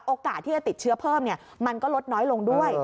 โอกาสที่จะติดเชื้อเพิ่มมันก็ลดน้อยลงด้วย